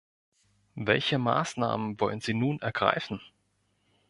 Welche Maßnahmen wollen Sie nun ergreifen?